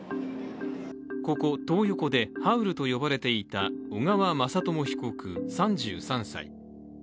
ここトー横でハウルと呼ばれていた小川雅朝被告３３歳。